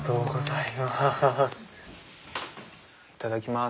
いただきます。